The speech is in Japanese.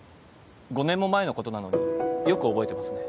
５年も前のことなのによく覚えてますね。